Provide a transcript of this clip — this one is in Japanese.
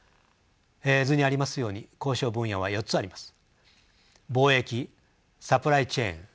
図にありますように交渉分野は４つあります。